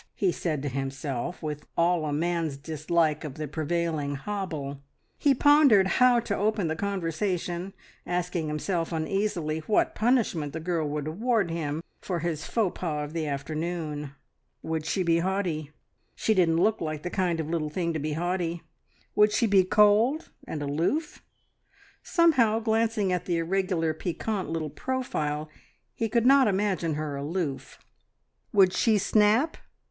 he said to himself, with all a man's dislike of the prevailing hobble. He pondered how to open the conversation, asking himself uneasily what punishment the girl would award him for his faux pas of the afternoon. Would she be haughty? She didn't look the kind of little thing to be haughty! Would she be cold and aloof? Somehow, glancing at the irregular, piquant little profile, he could not imagine her aloof. Would she snap?